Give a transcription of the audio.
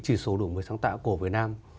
nghiên cứu sử dụng báo cáo của việt nam